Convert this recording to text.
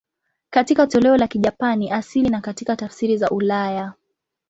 Katika toleo la Kijapani asili na katika tafsiri za ulaya.